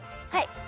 はい。